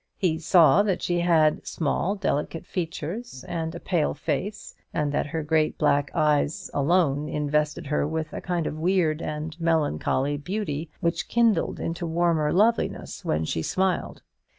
He saw that she had small delicate features and a pale face, and that her great black eyes alone invested her with a kind of weird and melancholy beauty, which kindled into warmer loveliness when she smiled.